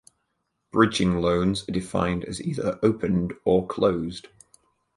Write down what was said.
Bridging loans are defined as either 'opened' or 'closed'.